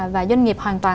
và doanh nghiệp hoàn toàn